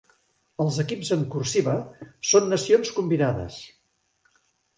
Els equips en "cursiva" són nacions convidades.